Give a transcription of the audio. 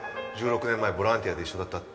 １６年前ボランティアで一緒だった玉田だよ。